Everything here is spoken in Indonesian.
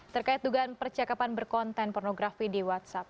terkait dugaan percakapan berkonten pornografi di whatsapp